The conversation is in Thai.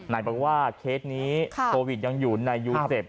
บอกว่าเคสนี้โควิดยังอยู่ในยูเซฟ